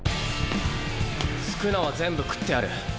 宿儺は全部食ってやる。